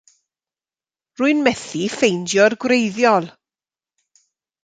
Rwy'n methu ffeindio'r gwreiddiol.